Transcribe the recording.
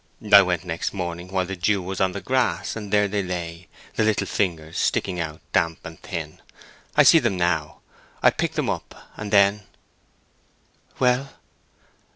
I went next morning while the dew was on the grass: there they lay—the little fingers sticking out damp and thin. I see them now! I picked them up, and then—" "Well?"